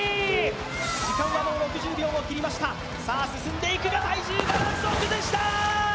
時間は残り６０秒を切りました、さぁ、進んでいくが、バランスを崩した！